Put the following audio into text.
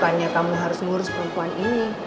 bukannya kamu harus ngurus perempuan ini